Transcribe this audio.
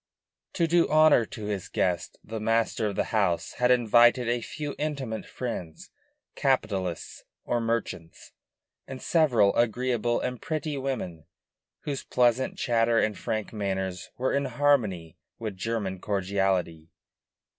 To do honor to his guest the master of the house had invited a few intimate friends, capitalists or merchants, and several agreeable and pretty women, whose pleasant chatter and frank manners were in harmony with German cordiality.